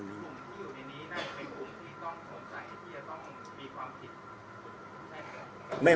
กลุ่มที่อยู่ในนี้น่าจะเป็นกลุ่มที่ต้องสงสัย